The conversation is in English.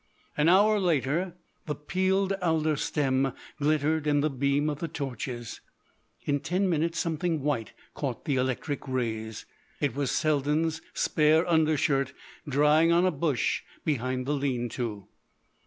An hour later the peeled alder stem glittered in the beam of the torches. In ten minutes something white caught the electric rays. It was Selden's spare undershirt drying on a bush behind the lean to.